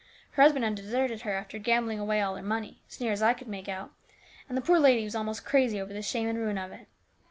Her husband had deserted her after gambling away all her money, as near as I could make out, and the poor lady was almost crazy over the shame and ruin of it.